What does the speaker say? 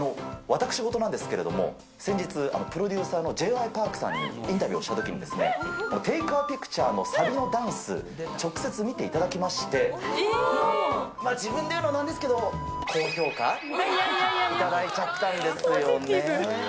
私事なんですけれども、先日、プロデューサーのＪ．Ｙ．Ｐａｒｋさんにインタビューしたときに、Ｔａｋｅａｐｉｃｔｕｒｅのサビのダンス、直接見ていただきまして、自分で言うのもなんですけど、高評価、頂いちゃったんですよ。